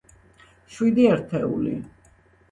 შვიდი ერთეული.